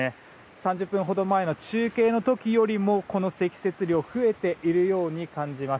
３０分ほど前の中継の時よりこの積雪量増えているように感じます。